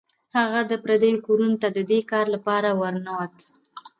هغه د پردیو کورونو ته د دې کار لپاره ورنوت.